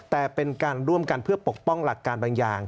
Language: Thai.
แต่เป็นการร่วมกันเพื่อปกป้องหลักการบางอย่าง